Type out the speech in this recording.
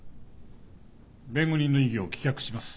弁護人の異議を棄却します。